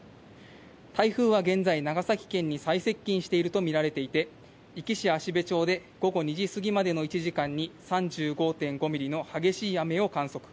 台風は現在、長崎県に最接近していると見られていて、壱岐市芦辺町で午後２時過ぎまでの１時間に３５．５ミリの激しい雨を観測。